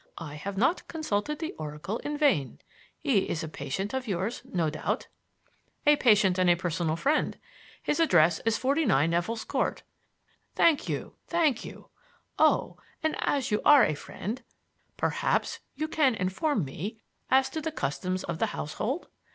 I have not consulted the oracle in vain. He is a patient of yours, no doubt?" "A patient and a personal friend. His address is Forty nine Nevill's Court." "Thank you, thank you. Oh, and as you are a friend, perhaps you can inform me as to the customs of the household.